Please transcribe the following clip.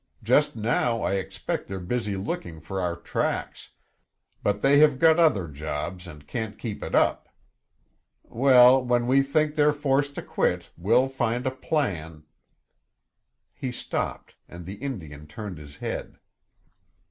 Just now I expect they're busy looking for our tracks, but they have got other jobs and can't keep it up. Well, when we think they're forced to quit, we'll find a plan " He stopped and the Indian turned his head.